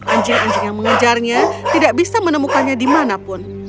anjing anjing yang mengejarnya tidak bisa menemukannya dimanapun